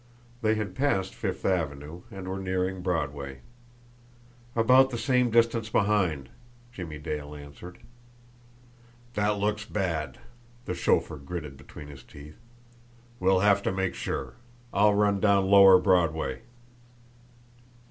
They had passed Fifth Avenue, and were nearing Broadway. "About the same distance behind," Jimmie Dale answered. "That looks bad!" the chauffeur gritted between his teeth. "We'll have to make sure. I'll run down Lower Broadway."